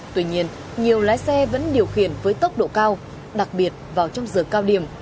tuy nhiên nhiều lái xe vẫn điều khiển với tốc độ cao đặc biệt vào trong giờ cao điểm